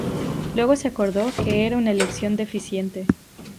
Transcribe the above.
Luego se acordó que era una elección deficiente.